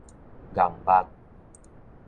愣目